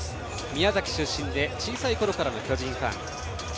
宮崎出身で小さいころからの巨人ファン。